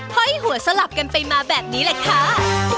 ห้อยหัวสลับกันไปมาแบบนี้แหละค่ะ